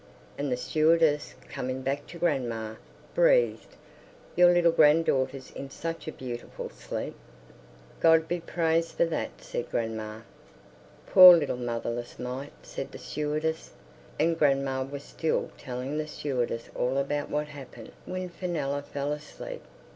And the stewardess, coming back to grandma, breathed, "Your little granddaughter's in such a beautiful sleep." "God be praised for that!" said grandma. "Poor little motherless mite!" said the stewardess. And grandma was still telling the stewardess all about what happened when Fenella fell asleep.